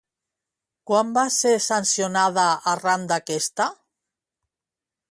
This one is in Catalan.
Quan va ser sancionada arran d'aquesta?